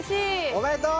おめでとう！